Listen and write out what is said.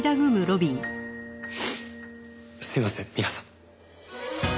すいません皆さん。